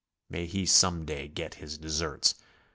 May he \siome day get his deserts!